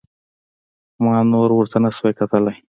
ما نور ورته نسو کتلاى.